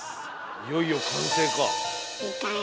いよいよ完成か。